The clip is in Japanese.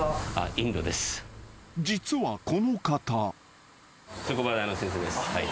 ［実はこの方］